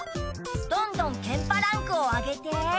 どんどんケンパランクを上げて。